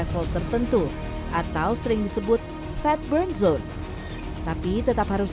mikrokosmos itu mengatakan popping problem di dana abaikan keciktik dan urus